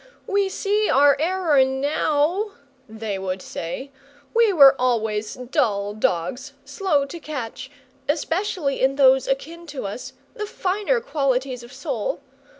"We see our error now," they would say; "we were always dull dogs, slow to catch especially in those akin to us the finer qualities of soul!